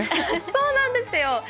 そうなんですよ。